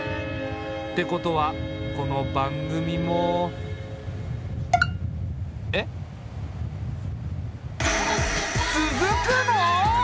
ってことはこの番組も。えっ？つづくの！？